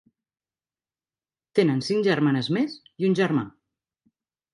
Tenen cinc germanes més i un germà.